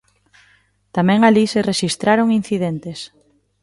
Tamén alí se rexistraron incidentes.